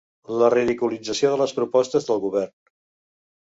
La ridiculització de les propostes del govern.